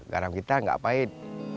garam kita enggak pahit